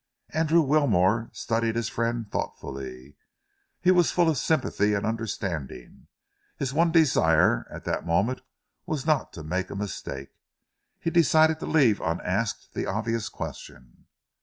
Andrew Wilmore studied his friend thoughtfully. He was full of sympathy and understanding. His one desire at that moment was not to make a mistake. He decided to leave unasked the obvious question.